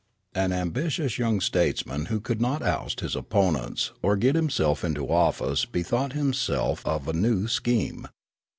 An ambitious young statesman who could not oust his opponents or get himself into office bethought him self of a new scheme.